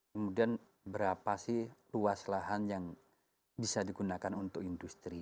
kemudian berapa sih luas lahan yang bisa digunakan untuk industri